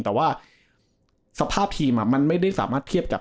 แต่ว่าสภาพทีมมันไม่ได้สามารถเทียบกับ